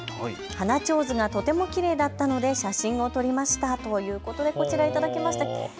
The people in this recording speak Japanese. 花ちょうずがとてもきれいだったので写真を撮りましたということでこちら、いただきました。